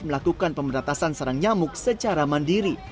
melakukan pemberatasan sarang nyamuk secara mandiri